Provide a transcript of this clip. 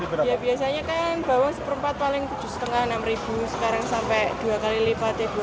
biasanya kan bawang satu empat paling tujuh lima enam ribu sekarang sampai dua kali lipat ya dua belas ribu